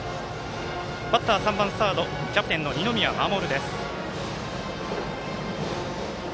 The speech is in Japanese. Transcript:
バッター、３番サードキャプテンの二宮士です。